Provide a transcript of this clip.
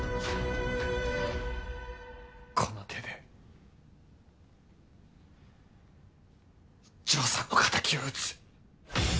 この手で丈さんの敵を討つ。